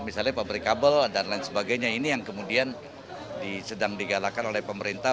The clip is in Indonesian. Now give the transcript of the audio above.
misalnya pabrik kabel dan lain sebagainya ini yang kemudian sedang digalakan oleh pemerintah